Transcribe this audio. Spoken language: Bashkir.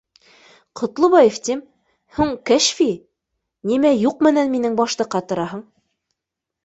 — Ҡотлобаев, тим, һуң Кәшфи, нимә юҡ менән минең башты ҡатыраһың